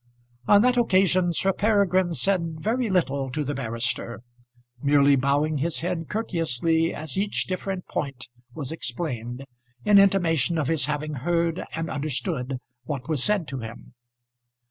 On that occasion Sir Peregrine said very little to the barrister, merely bowing his head courteously as each different point was explained, in intimation of his having heard and understood what was said to him.